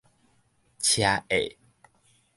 車厄